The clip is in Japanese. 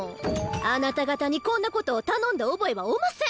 あなた方にこんなことを頼んだ覚えはおません。